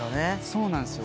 そうなんすよ。